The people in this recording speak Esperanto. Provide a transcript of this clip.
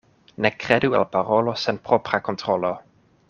Ne kredu al parolo sen propra kontrolo.